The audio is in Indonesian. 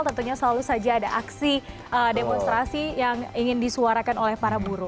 tentunya selalu saja ada aksi demonstrasi yang ingin disuarakan oleh para buruh